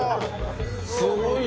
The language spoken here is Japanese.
すごいね！